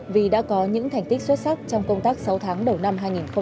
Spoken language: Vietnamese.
vì đã có những thành tích xuất sắc trong công tác sáu tháng đầu năm hai nghìn hai mươi ba